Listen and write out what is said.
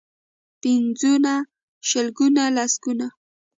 پنځونه، شلګون ، لسګون.